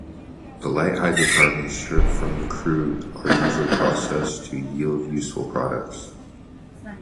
The light hydrocarbons stripped from the crude are usually processed to yield useful products.